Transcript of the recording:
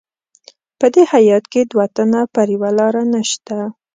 په دې هیات کې دوه تنه پر یوه لار نسته.